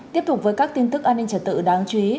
tiếp tục với các tin tức an ninh trật tự đáng chú ý